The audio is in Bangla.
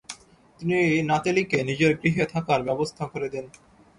তিনি নাতেলীকে নিজের গৃহে থাকার ব্যবস্থা করে দেন।